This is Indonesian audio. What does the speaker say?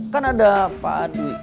kan ada pak dwi